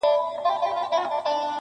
کورنۍ دننه سختيږي ډېر،